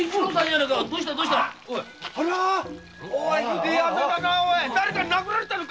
だれかに殴られたのか？